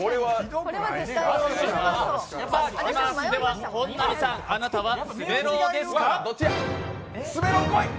では本並さん、あなたは滑狼ですか？